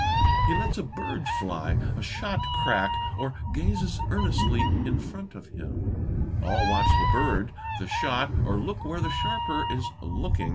He lets a bird fly, a shot crack, or gazes earnestly in front of him. All watch the bird, the shot, or look where the sharper is looking.